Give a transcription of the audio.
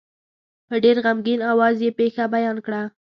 په ډېر غمګین آواز یې پېښه بیان کړه.